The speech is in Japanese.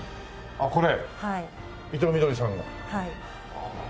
あっこれ？